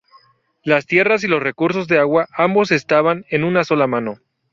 Las tierras y los recursos de agua ambos estaban en una sola mano.